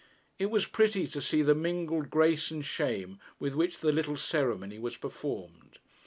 It was pretty to see the mingled grace and shame with which the little ceremony was performed.